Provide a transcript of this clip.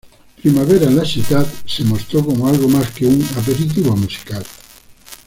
Primavera a la Ciutat se mostró como algo más que un aperitivo musical.